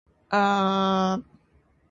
どれくらい書けばいいんだ。